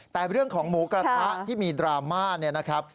แต่เรื่องของหมูกระทะที่มีดราม่า